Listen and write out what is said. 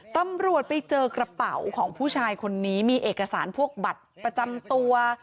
ตำรวจไปเจอกระเป๋าของผู้ชายคนนี้มีเอกสารพวกบัตรประจำตัว